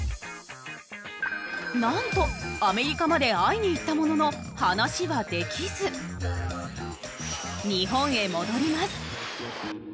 なんとアメリカまで会いに行ったものの話はできず日本へ戻ります。